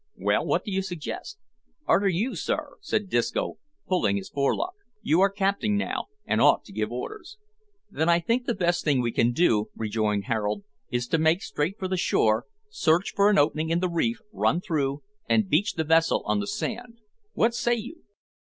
"Well, what do you suggest?" "Arter you, sir," said Disco, pulling his forelock; "you are capting now, an' ought to give orders." "Then I think the best thing we can do," rejoined Harold, "is to make straight for the shore, search for an opening in the reef, run through, and beach the vessel on the sand. What say you?"